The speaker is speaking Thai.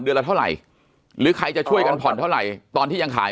ละเท่าไหร่หรือใครจะช่วยกันผ่อนเท่าไหร่ตอนที่ยังขาย